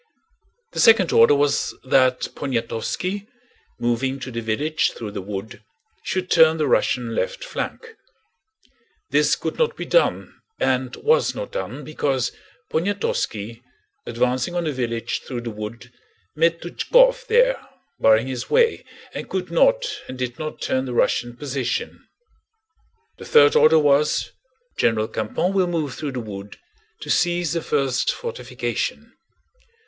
The second order was that Poniatowski, moving to the village through the wood, should turn the Russian left flank. This could not be done and was not done, because Poniatowski, advancing on the village through the wood, met Túchkov there barring his way, and could not and did not turn the Russian position. The third order was: General Campan will move through the wood to seize the first fortification.